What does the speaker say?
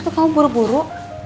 kok kamu buru buru